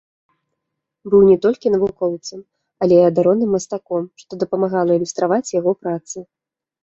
Быў не толькі навукоўцам, але і адораным мастаком, што дапамагала ілюстраваць яго працы.